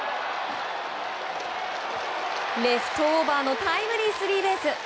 レフトオーバーのタイムリースリーベース。